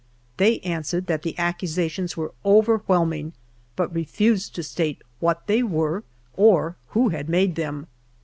They answered that the accusations were overwhelming, but refused to state what thev were or who had made them.